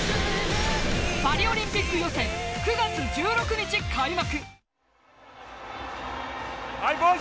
パリオリンピック予選９月１６日開幕。